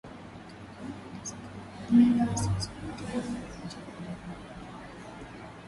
Wakaazi walisikia milio ya risasi kutoka pande zote Kulikuwa na hofu